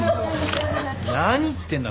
何言ってんだ？